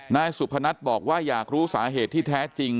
นายสุพนัทบอกว่าอยากรู้สาเหตุที่แท้จริง